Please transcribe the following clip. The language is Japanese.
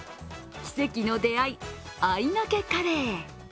奇跡の出会い、あいがけカレー。